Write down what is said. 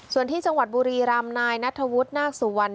ส่วนที่จังหวัดบุรีรำนายนัทธวุฒินาคสุวรรณ